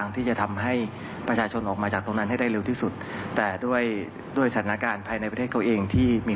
ที่นั่นให้ได้รู้ที่สุดแต่ด้วยด้วยศาลนาการภายในประเทศเขาเองที่มี